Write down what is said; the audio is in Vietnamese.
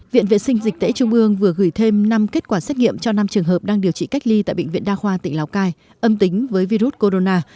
viện vệ sinh dịch tễ trung ương vừa gửi thêm năm kết quả xét nghiệm cho năm trường hợp đang điều trị cách ly tại bệnh viện đa khoa tỉnh lào cai âm tính với virus corona